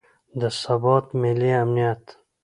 د ثبات، ملي امنیت